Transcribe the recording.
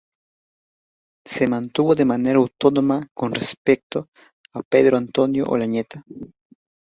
Se mantuvo de manera autónoma con respecto a Pedro Antonio Olañeta.